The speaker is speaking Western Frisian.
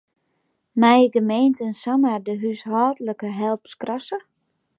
Meie gemeenten samar de húshâldlike help skrasse?